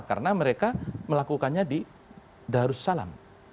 karena mereka melakukannya di darussalam